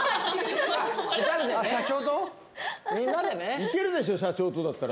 いけるでしょ社長とだったら。